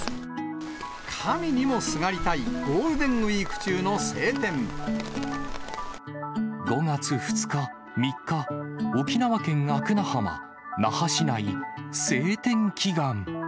神にもすがりたいゴールデン５月２日、３日、沖縄県アクナ浜、那覇市内、晴天祈願。